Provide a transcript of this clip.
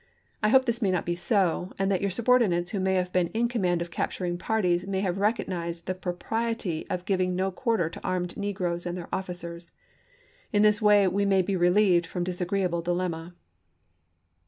I hope this may not be so, and that your subordinates who may have been in command of capturing parties may have recognized the propri ety of giving no quarter to armed negroes and their officers. In this way we may be relieved from a disagreeable dilemma."